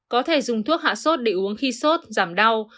có thể dùng thuốc hạ sốt để uống khi sốt giảm đau